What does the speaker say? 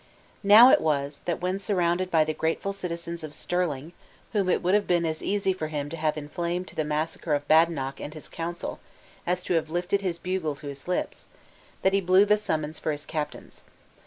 Now it was, that when surrounded by the grateful citizens of Stirling (whom it would have been as easy for him to have inflamed to the massacre of Badenoch and his council, as to have lifted his bugle to his lips), that he blew the summons for his captains.